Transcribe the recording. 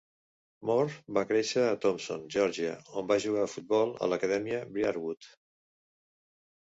Mohr va créixer a Thomson, Geòrgia, on va jugar a futbol a l'acadèmia Briarwood.